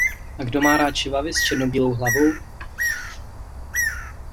A kdo má rád čivavy s černobílou hlavou...